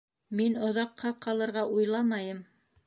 Мин оҙаҡҡа ҡалырға уйламайым